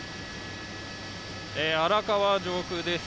荒川上空です。